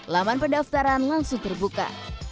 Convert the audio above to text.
laman pendaftaran langsung terbuka